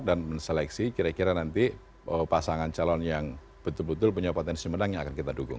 dan menseleksi kira kira nanti pasangan calon yang betul betul punya potensi menang yang akan kita dukung